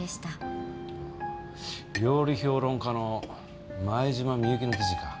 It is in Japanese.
料理評論家の前島美雪の記事か。